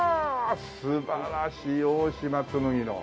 素晴らしい大島紬の。